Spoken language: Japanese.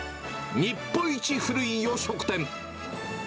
日本一古い洋食店。